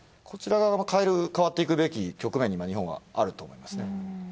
こちら側も変わっていくべき局面に日本はあると思いますね。